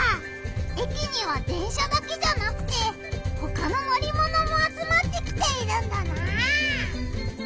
駅には電車だけじゃなくてほかの乗りものも集まってきているんだな！